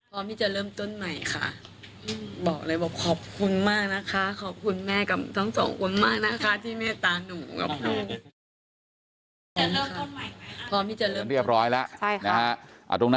พร้อมที่จะเริ่มต้นใหม่ค่ะ